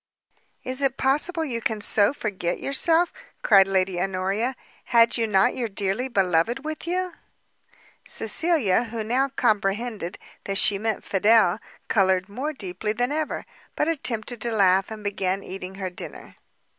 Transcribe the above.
"Is it possible you can so forget yourself?" cried Lady Honoria; "had you not your dearly beloved with you?" Cecilia, who now comprehended that she meant Fidel, coloured more deeply than ever, but attempted to laugh, and began eating her dinner.